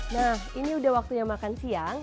nah ini udah waktunya makan siang